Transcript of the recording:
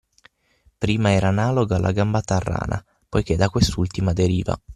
Prima era analoga alla gambata a rana (poichè da quest’ultima deriva)